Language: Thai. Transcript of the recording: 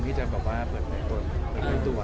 มีที่จะแบบเปิดหน้ากล่วงตัว